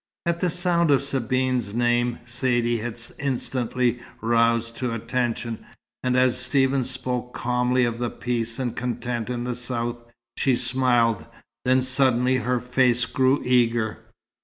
At the sound of Sabine's name Saidee had instantly roused to attention, and as Stephen spoke calmly of the peace and content in the South, she smiled. Then suddenly her face grew eager.